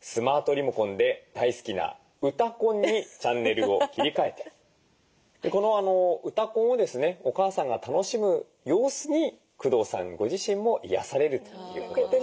スマートリモコンで大好きな「うたコン」にチャンネルを切り替えてこの「うたコン」をですねお母さんが楽しむ様子に工藤さんご自身も癒やされるということです。